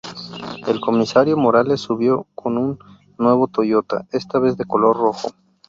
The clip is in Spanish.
El comisario Morales subió con un nuevo Toyota, esta vez de color rojo.